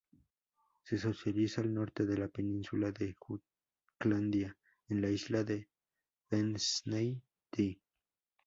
Se localiza al norte de la península de Jutlandia, en la isla de Vendsyssel-Thy.